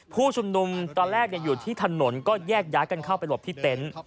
ผู้ชุมนุมตอนแรกอยู่ที่ถนนก็แยกย้ายกันเข้าไปหลบที่เต็นต์